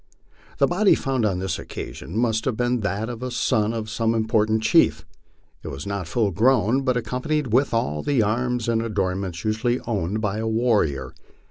The body found on this occasion must have been that of a son of some im portant chief ; it was not full grown, but accompanied with all the arms and adornments usually owned by a warrior.